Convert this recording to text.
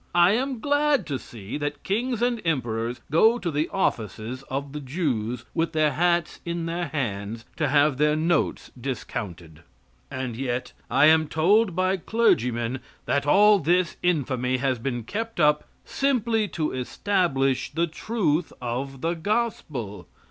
I am glad to see that kings and emperors go to the offices of the Jews, with their hats in their hands, to have their notes discounted. And yet I am told by clergymen that all this infamy has been kept up simply to establish the truth of the gospel.